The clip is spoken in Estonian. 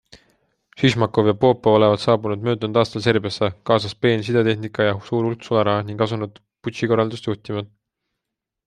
Šišmakov ja Popov olevat saabunud möödunud aastal Serbiasse, kaasas peen sidetehnika ja suur hulk sularaha ning asunud putši korraldamist juhtima.